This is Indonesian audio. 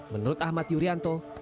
menurut ahmad yuryanto